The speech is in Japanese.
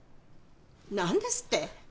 何ですって？